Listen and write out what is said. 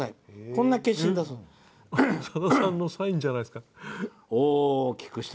さださんのサインじゃないですか。